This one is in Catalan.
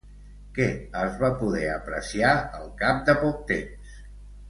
Què es va poder apreciar al cap de poc temps?